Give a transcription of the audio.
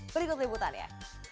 berikut ributan ya